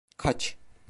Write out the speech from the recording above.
Kaç.